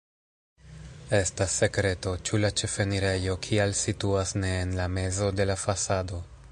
Estas sekreto, ĉu la ĉefenirejo kial situas ne en la mezo de la fasado.